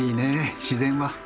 自然は。